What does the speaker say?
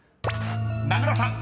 ［名倉さん］